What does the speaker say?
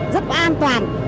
rất an toàn